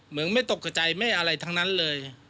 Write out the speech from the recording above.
เหมือนไม่ตกใจไม่อะไรทั้งนั้นเลย